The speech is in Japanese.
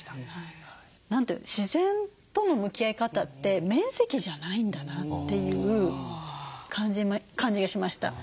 自然との向き合い方って面積じゃないんだなっていう感じがしました。